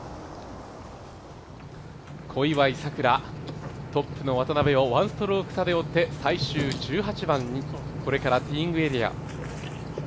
小祝さくら、トップの渡邉を１ストローク差で追って最終１８番、これからティーイングエリア。